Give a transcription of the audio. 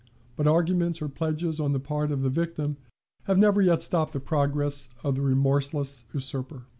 But arguments or pledges on the part of the victim have never yet stopped the progress of the remorseless usurper.